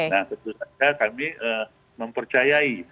nah tentu saja kami mempercayai